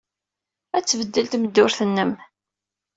Ad tbeddel tmeddurt-nnem.